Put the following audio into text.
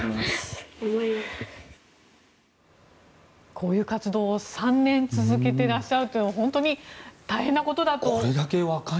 こういう活動を３年続けてらっしゃるというのは本当に大変なことだと。